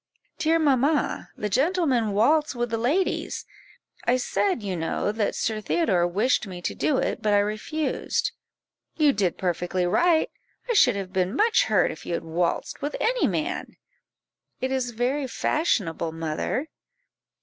"Dear mamma, the gentlemen waltz with the ladies; I said, you know, that Sir Theodore wished me to do it, but I refused." "You did perfectly right; I should have been much hurt if you had waltzed with any man." "It is very fashionable, mother."